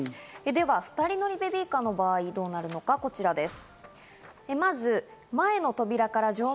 では２人乗りベビーカーの場合、どうなるのがこちらです。